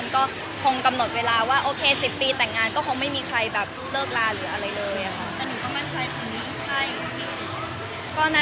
ก็คงกำหนดเวลาว่าโอเค๑๐ปีแต่งงานก็คงไม่มีใครแบบเลิกลาหรืออะไรเลยค่ะ